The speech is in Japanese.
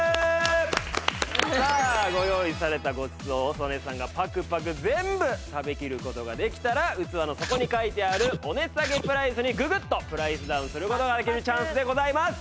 さあご用意されたごちそうを曽根さんがパクパク全部食べきる事ができたら器の底に書いてあるお値下げプライスにググッとプライスダウンする事ができるチャンスでございます。